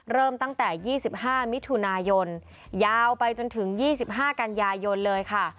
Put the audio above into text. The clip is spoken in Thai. เริ่มตั้งแต่๒๕มิถุนายนยาวไปจนถึง๒๕กันยายนเลยค่ะ